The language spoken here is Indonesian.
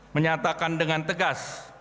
menyatakan dengan tegas